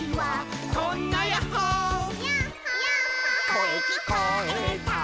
「こえきこえたら」